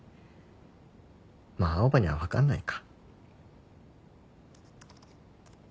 まあ青羽には分かんないか。